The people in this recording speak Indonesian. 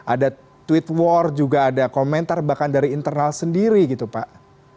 ada tweet war juga ada komentar bahkan dari internal sendiri gitu pak